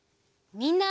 みんな！